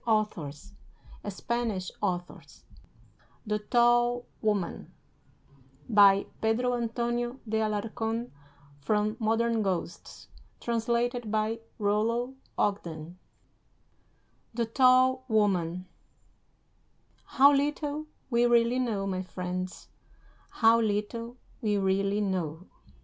.. by Fernan Caballero 1898 THE TALL WOMAN by Pedro Antonio De Alarcon From "Modern Ghosts" translated by Rollo Ogden. THE TALL WOMAN I. "How little we really know, my friends; how little we really know."